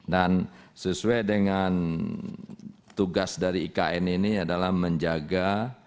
dan sesuai dengan tugas dari ikn ini adalah menjaga